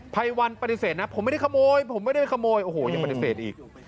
ภัยวันปฏิเสธนะผมไม่ได้ขโมยผมไม่ได้ขโมยโอ้โหยังปฏิเสธอีก